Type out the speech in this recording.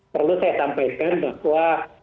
perlu saya sampaikan bahwa